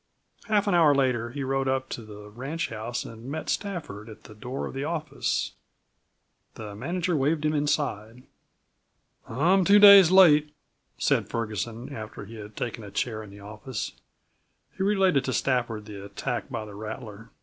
Half an hour later he rode up to the ranchhouse and met Stafford at the door of the office. The manager waved him inside. "I'm two days late," said Ferguson, after he had taken a chair in the office. He related to Stafford the attack by the rattler.